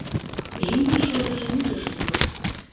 Юмын шольыжын ӱдыржӧ улына.